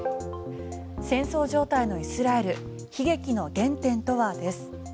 戦争状態のイスラエル悲劇の原点とはです。